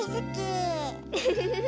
ウフフフフ！